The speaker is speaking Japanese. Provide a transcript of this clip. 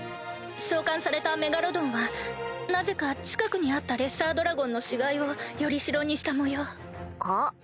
召喚されたメガロドンはなぜか近くにあったレッサードラゴンの死骸をより代にしたもよう。は？